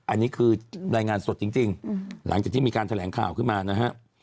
อันนี้คือรายงานสดจริงหลังจากที่มีการแถลงข่าวขึ้นมานะฮะ